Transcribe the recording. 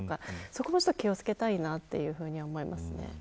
そこも気を付けたいなと思います。